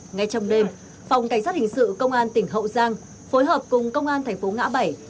ngay trong đêm phòng cảnh sát hình sự công an tỉnh hậu giang phối hợp cùng công an thành phố ngã bảy